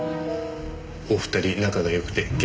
お二人仲が良くて結構。